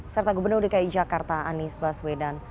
serta gubernur dki jakarta anies baswedan